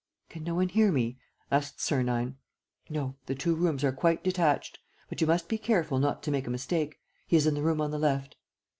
"Can no one hear me?" asked Sernine. "No. The two rooms are quite detached. But you must be careful not to make a mistake: he is in the room on the left."